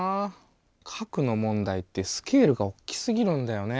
核の問題ってスケールが大きすぎるんだよね。